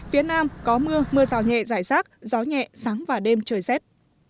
phía nam có mưa mưa rào nhẹ giải rác gió nhẹ sáng và đêm trời rét